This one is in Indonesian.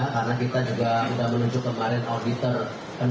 karena kita juga sudah menunjuk kemarin auditor ernst young